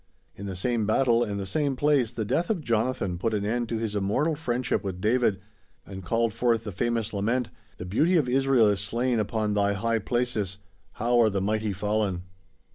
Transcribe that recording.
In the same battle and the same place the death of Jonathan put an end to his immortal friendship with David and called forth the famous lament: "The beauty of Israel is slain upon thy high places; how are the mighty fallen."